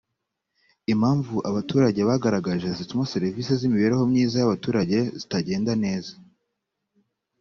impamvu abaturage bagaragaje zituma serivisi z’imibereho myiza y’abaturage zitagenda neza